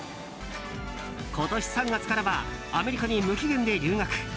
今年３月からはアメリカに無期限で留学。